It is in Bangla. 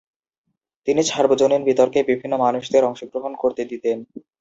তিনি সার্বজনীন বিতর্কে বিভিন্ন মানুষদের অংশগ্রহণ করতে দিতেন।